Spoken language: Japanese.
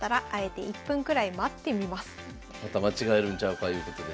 また間違えるんちゃうかいうことで。